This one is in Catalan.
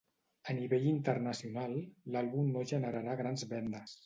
Al nivell internacional, l'àlbum no generarà grans vendes.